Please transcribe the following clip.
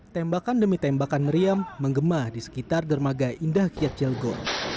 tembakan demi tembakan meriam menggema di sekitar dermaga indah kiat jalgo